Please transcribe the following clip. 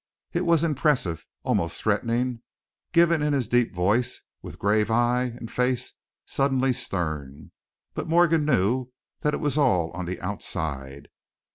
It was impressive, almost threatening, given in his deep voice, with grave eye and face suddenly stern, but Morgan knew that it was all on the outside.